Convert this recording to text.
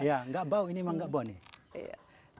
ya enggak bau ini memang enggak bau nih